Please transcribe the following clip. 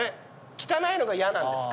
汚いのが嫌なんですか？